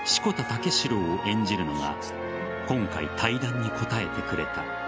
武四郎を演じるのが今回、対談に応えてくれた。